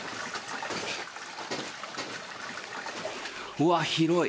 うわっ広い！